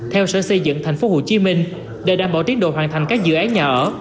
theo sở xây dựng thành phố hồ chí minh để đảm bảo tiến độ hoàn thành các dự án nhà ở